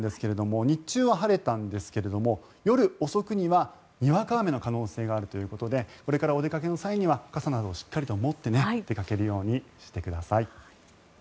日中は晴れたんですが夜遅くにはにわか雨の可能性があるということでこれからお出かけの際には傘などをしっかり持って出かけるようにしてください。